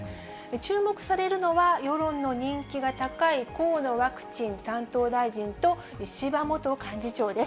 注目されるのは、世論の人気が高い河野ワクチン担当大臣と石破元幹事長です。